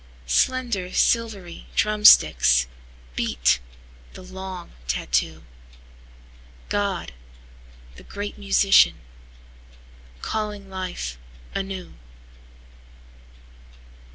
Slender, silvery drumsticksBeat the long tattoo—God, the Great Musician, Calling life anew.